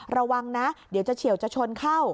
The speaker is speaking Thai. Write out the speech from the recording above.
ระวังนะเดี๋ยวจะเฉียวจะชนเข้า